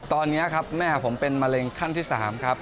ตอนนี้ครับแม่ผมเป็นมะเร็งขั้นที่๓ครับ